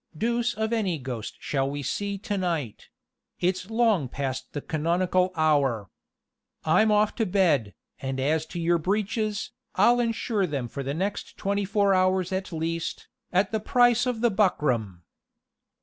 Deuce of any ghost shall we see to night; it's long past the canonical hour. I'm off to bed; and as to your breeches, I'll insure them for the next twenty four hours at least, at the price of the buckram."